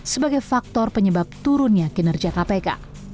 sebagai faktor penyebab turunnya kinerja kpk